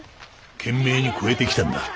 懸命に越えてきたんだ。